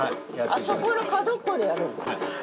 あそこの角っこでやるんだ。